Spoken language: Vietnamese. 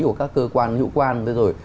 của các cơ quan hữu quan